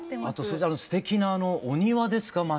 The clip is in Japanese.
あとすてきなお庭ですか？